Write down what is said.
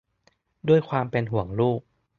ด้วยความเป็นห่วงลูก